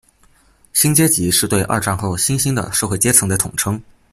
新阶级是对二战后新兴的社会阶层的统称。